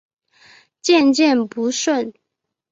渐渐不顺